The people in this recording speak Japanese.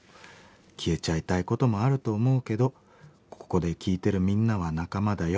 「消えちゃいたいこともあると思うけどここで聴いてるみんなは仲間だよ。